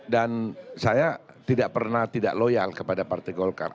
dan saya tidak pernah tidak loyal kepada partai golkar